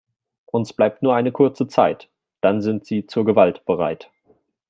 Uns bleibt nur eine kurze Zeit, dann sind sie zur Gewalt bereit.